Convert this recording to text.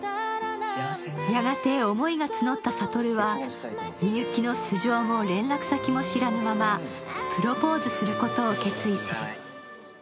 やがて思いが募った悟は、みゆきの素性も連絡先も知らぬまま、プロポーズすることを決意する。